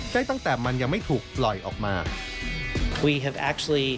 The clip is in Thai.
ได้ตั้งแต่มันยังไม่ถูกปล่อยออกมา